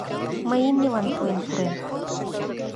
Мый имньылан пуэн пурем.